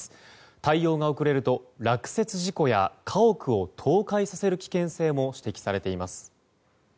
対応が遅れると、落雪事故や家屋を倒壊させる危険性も指摘されています。